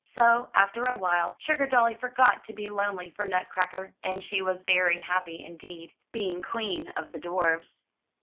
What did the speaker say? So, after a while, Sugardolly forgot to be lonely for Nutcracker, and she was very happy indeed, being queen of the dwarfs.